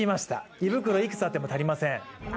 胃袋いくつあっても足りません。